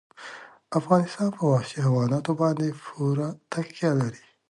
افغانستان په وحشي حیواناتو باندې پوره تکیه لري.